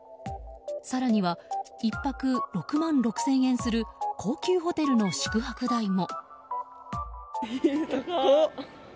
更には、１泊６万６０００円する高級ホテルの宿泊代も。